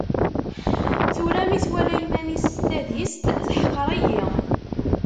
Tura mi twala iman-is s tadist, teḥqer-iyi.